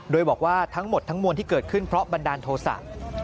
โดยบอกว่าทั้งหมดทั้งมวลที่เกิดขึ้นเพราะบันดาลโทษะ